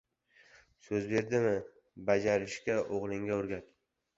– so‘z berdimi – bajarishga o'g'lingga o'rgat;